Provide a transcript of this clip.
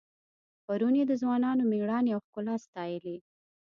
پرون یې د ځوانانو میړانې او ښکلا ستایلې.